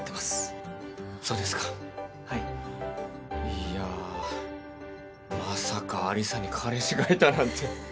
いやまさか有沙に彼氏がいたなんて。